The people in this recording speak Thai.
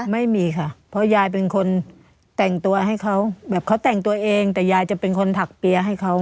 ไม่มีค่ะเพราะยายเป็นคนแต่งตัวให้เขาแบบเขาแต่งตัวเองแต่ยายจะเป็นคนถักเปียร์ให้เขา